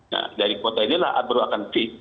nah dari kuota ini lah baru akan fit